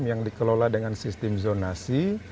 yang dikelola dengan sistem zonasi